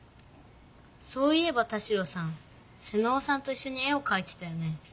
そういえば田代さん妹尾さんといっしょに絵をかいてたよね？